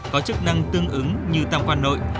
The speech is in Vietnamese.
có chức năng tương ứng như tăm quan nội